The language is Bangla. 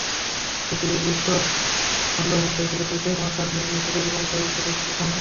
পৃথিবীর রূপ-রস-গন্ধ বলতে গেলে কিছুই মাখা হয়নি, পুরো জীবনটাই পড়ে ছিল সামনে।